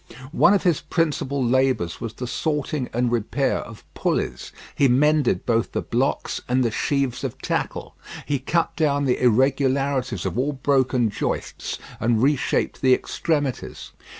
One of his principal labours was the sorting and repair of pulleys. He mended both the blocks and the sheaves of tackle. He cut down the irregularities of all broken joists, and reshaped the extremities.